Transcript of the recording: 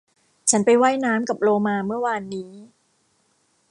ฉันไปว่ายน้ำกับโลมาเมื่อวานนี้